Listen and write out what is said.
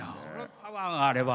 パワーがあれば。